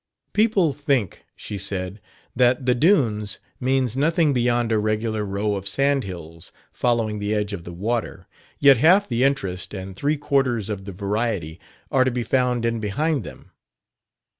"People think," she said, "that 'the Dunes' means nothing beyond a regular row of sandhills following the edge of the water; yet half the interest and three quarters of the variety are to be found in behind them.